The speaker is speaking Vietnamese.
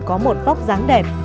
có một phóc dáng đẹp